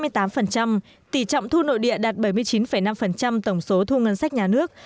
tỷ trọng thu nội địa đạt bảy mươi chín năm tổng số thu ngân sách nhà nước